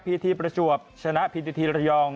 ทีประจวบชนะพิธีทีระยอง